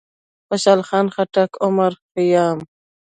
خوشحال خان خټک، عمر خيام،